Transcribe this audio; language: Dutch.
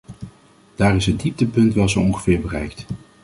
Daar is het dieptepunt wel zo ongeveer bereikt.